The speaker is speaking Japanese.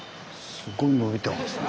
すごいのびてますね。